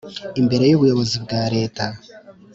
imbere y ubuyobozi bwa Leta